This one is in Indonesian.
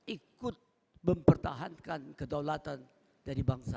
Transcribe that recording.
ikut mempertahankan kedaulatan dari bangsa